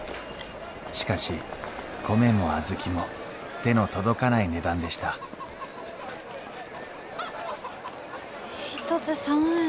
しかし米も小豆も手の届かない値段でした一つ３円ですか？